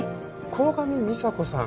鴻上美沙子さん